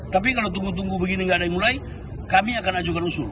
tapi kalau tunggu tunggu begini nggak ada yang mulai kami akan ajukan usul